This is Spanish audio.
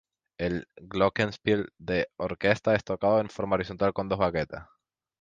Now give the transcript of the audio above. El "glockenspiel" de orquesta es tocado en forma horizontal con dos baquetas.